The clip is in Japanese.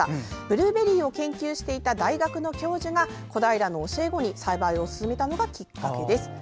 ブルーベリーを研究していた大学の教授が小平の教え子に栽培を勧めたのがきっかけです。